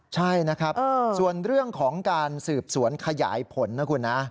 ใช่นะครับส่วนเรื่องของการสืบสวนขยายผลนะคุณนะ